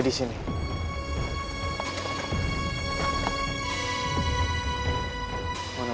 mbak telponin ya